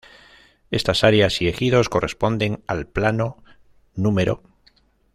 Estas Áreas y Ejidos corresponden al Plano No.